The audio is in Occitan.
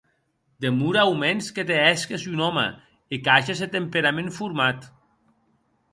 Demora aumens que te hèsques un òme e qu’ages eth temperament format.